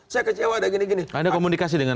saya kecewa ada gini gini anda komunikasi dengan